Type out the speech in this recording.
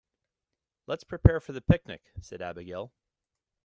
"Let's prepare for the picnic!", said Abigail.